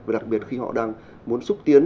và đặc biệt khi họ đang muốn xúc tiến